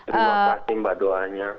terima kasih mbak doanya